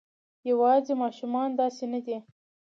یواځې ماشومان داسې نه دي.